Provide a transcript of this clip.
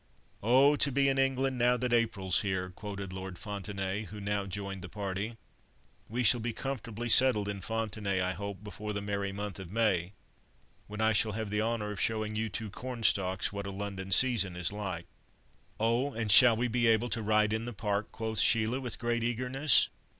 "'Oh! to be in England, now that April's here'," quoted Lord Fontenaye, who now joined the party; "we shall be comfortably settled in Fontenaye, I hope, before the 'merry month of May,' when I shall have the honour of showing you two 'Cornstalks' what a London season is like." "Oh! and shall we able to ride in the Park?" quoth Sheila, with great eagerness.